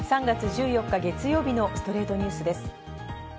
３月１４日、月曜日の『ストレイトニュース』です。